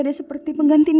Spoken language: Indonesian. dia seperti pengganti nindi